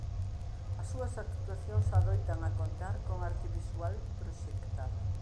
As súas actuacións adoitan a contar con arte visual proxectada.